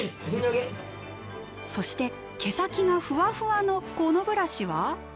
そして毛先がフワフワのこのブラシは。